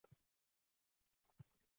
— Esi kirib qoladi.